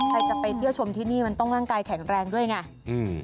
ใครจะไปเที่ยวชมที่นี่มันต้องร่างกายแข็งแรงด้วยไงอืม